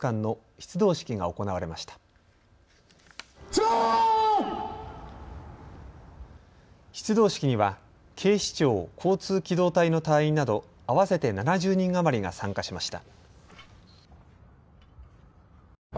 出動式には警視庁交通機動隊の隊員など合わせて７０人余りが参加しました。